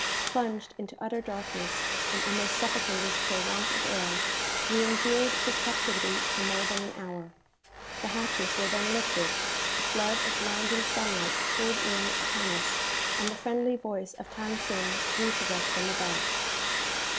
Plunged into utter darkness, and almost suffocated for want of air, we endured this captivity for more than an hour. The hatches were then lifted, a flood of blinding sunlight poured in upon us, and the friendly voice of Than Sing greeted us from above.